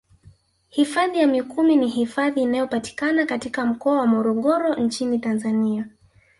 Hifadhi ya mikumi ni hifadhi inayopatikana katika mkoa wa morogoro nchini Tanzania